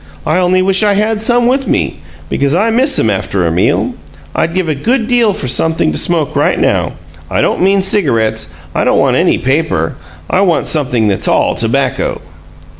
I only wish I had some with me, because I miss 'em after a meal. I'd give a good deal for something to smoke right now! I don't mean cigarettes; I don't want any paper I want something that's all tobacco!"